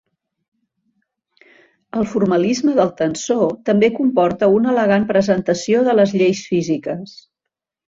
El formalisme del tensor també comporta una elegant presentació de les lleis físiques.